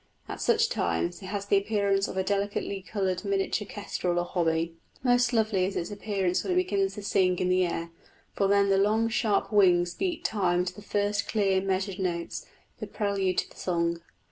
At such times it has the appearance of a delicately coloured miniature kestrel or hobby. Most lovely is its appearance when it begins to sing in the air, for then the long sharp wings beat time to the first clear measured notes, the prelude to the song.